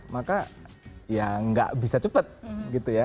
maka ya nggak bisa cepat gitu ya